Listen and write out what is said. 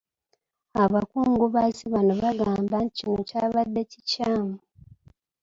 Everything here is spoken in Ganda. Abakungubazi bano bagamba nti kino kyabadde kikyamu.